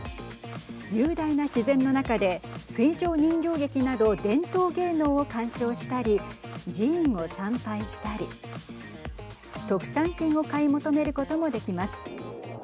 雄大な自然の中で水上人形劇など伝統芸能を鑑賞したり寺院を参拝したり特産品を買い求めることもできます。